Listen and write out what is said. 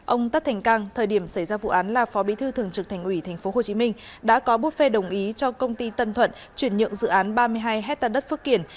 ông tất thành cang thời điểm xảy ra vụ án là phó bí thư thường trực thành ủy tp hcm đã có bút phê đồng ý cho công ty tân thuận chuyển nhượng dự án ba mươi hai hectare đất phước kiển